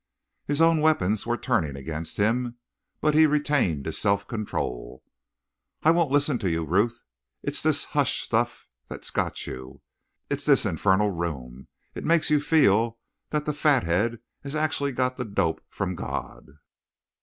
His own weapons were turning against him, but he retained his self control. "I won't listen to you, Ruth. It's this hush stuff that's got you. It's this infernal room. It makes you feel that the fathead has actually got the dope from God."